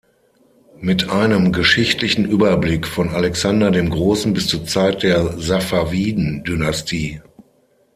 Mit einem geschichtlichen Überblick von Alexander dem Großen bis zur Zeit der Safawiden-Dynastie".